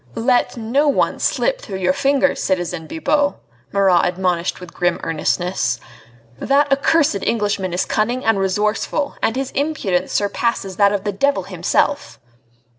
"Let no one slip through your fingers, citizen Bibot," Marat admonished with grim earnestness. "That accursed Englishman is cunning and resourceful, and his impudence surpasses that of the devil himself."